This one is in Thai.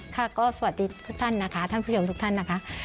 ค่ะก็สวัสดีทุกท่านนะคะท่านผู้ชมทุกท่านนะคะ